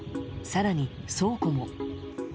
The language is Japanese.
更に倉庫も。